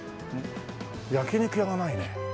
焼き肉屋がないねえ。